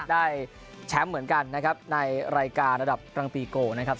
ได้แชมป์เหมือนกันในรายการระดับรังปีโก